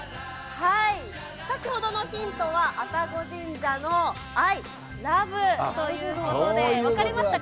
先ほどのヒントは、愛宕神社の愛、ラブということで、分かりましたか？